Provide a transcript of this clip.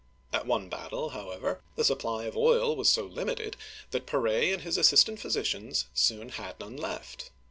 At one battle, however, the supply of oil was so limited that Pare and his as3ist ant physicians soon had none left.